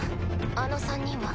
あの三人は？